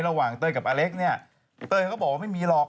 ระหว่างเต้ยกับอเล็กซ์เนี่ยเต้ยก็บอกว่าไม่มีหรอก